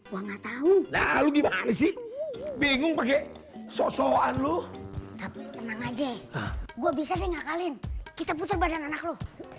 woong nggak tahu dah lagi banget sih bingung pakai soso anlu tenang aja gue bisa ngakalin kita putar badan anjing lu